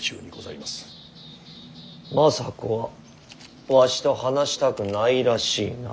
政子はわしと話したくないらしいな。